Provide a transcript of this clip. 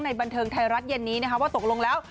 บันเทิงไทยรัฐเย็นนี้นะคะว่าตกลงแล้ว